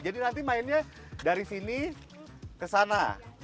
jadi nanti mainnya dari sini ke sana